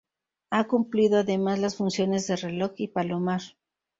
Ha cumplido además las funciones de reloj y palomar.